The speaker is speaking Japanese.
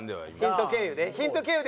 ヒント経由で？